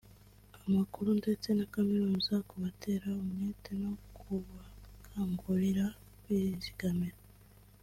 amakuru ndetse na Kaminuza kubatera umwete no kubakangurira kwizigamira